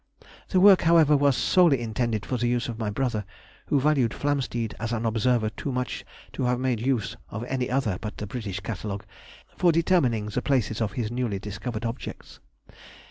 The work, however, was solely intended for the use of my brother, who valued Flamsteed as an observer too much to have made use of any other but the British Catalogue for determining the places of his newly discovered objects.